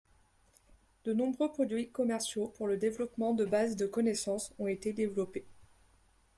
De nombreux produits commerciaux pour le développement de bases de connaissances ont été développés.